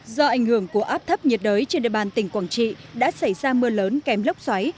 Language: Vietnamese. do ảnh hưởng của áp thấp nhiệt đới trên địa bàn tỉnh quảng trị đã xảy ra mưa lớn kèm lốc xoáy